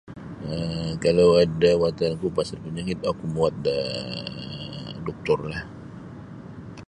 um Kalau ada watanku pasal panyakit oku muwot daa doktorlah.